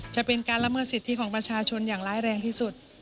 จะเป็นการละเมิดสิทธิของประชาชนอย่างร้ายแรงที่สุด